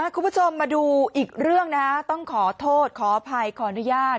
คุณผู้ชมมาดูอีกเรื่องนะต้องขอโทษขออภัยขออนุญาต